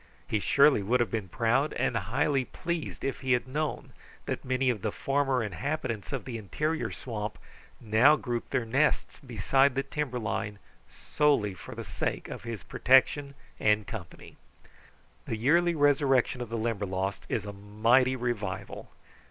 He surely would have been proud and highly pleased if he had known that many of the former inhabitants of the interior swamp now grouped their nests beside the timber line solely for the sake of his protection and company. The yearly resurrection of the Limberlost is a mighty revival.